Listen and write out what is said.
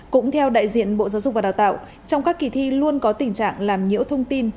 cũng theo đại diện bộ giáo dục và đào tạo trong các kỳ thi luôn có tình trạng làm nhiễu thông tin